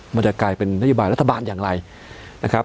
มันจะกลายเป็นนโยบายรัฐบาลอย่างไรนะครับ